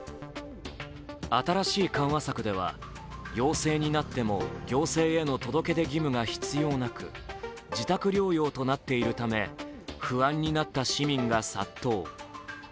新しい緩和策では陽性になっても行政への届け出義務が必要なく自宅療養となっているため不安になった市民が殺到。